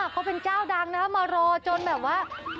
เขาเป็นเจ้าดังนะมารอจนแบบว่า